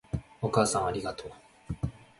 お母さんありがとう